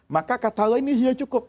maka kata allah ini sudah cukup